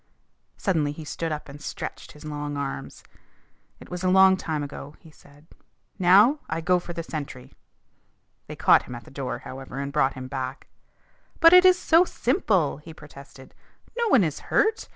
Suddenly he stood up and stretched his long arms. "It was a long time ago," he said. "Now I go for the sentry." They caught him at the door, however, and brought him back. "But it is so simple," he protested. "No one is hurt.